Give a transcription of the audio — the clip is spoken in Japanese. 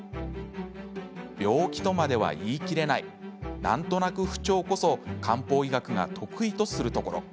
病気とまでは言い切れないなんとなく不調こそ漢方医学が得意とするところ。